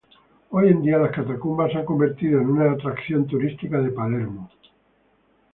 Hoy en día las catacumbas se han convertido en una atracción turística de Palermo.